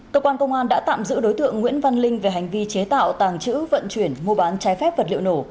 cơ quan công an đã tạm giữ đối tượng nguyễn văn linh về hành vi chế tạo tàng trữ vận chuyển mua bán trái phép vật liệu nổ